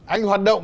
anh hoạt động